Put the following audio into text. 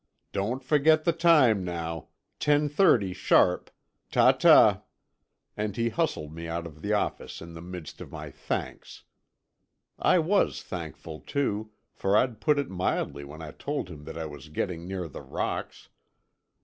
Don't forget the time, now. Ten thirty, sharp. Ta ta." And he hustled me out of the office in the midst of my thanks. I was thankful, too, for I'd put it mildly when I told him that I was getting near the rocks.